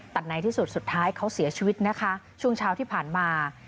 แต่ในที่สุดสุดท้ายเขาเสียชีวิตนะคะช่วงเช้าที่ผ่านมา